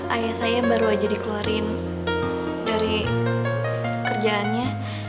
ayah saya baru aja dikeluarin dari kerjaannya